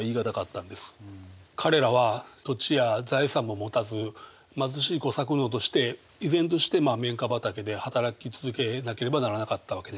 彼らは土地や財産も持たず貧しい小作農として依然として綿花畑で働き続けなければならなかったわけです。